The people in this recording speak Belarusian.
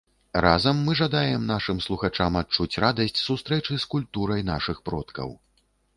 Разам мы жадаем нашым слухачам адчуць радасць сустрэчы з культурай нашых продкаў.